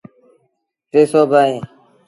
ٽي سو با اهي۔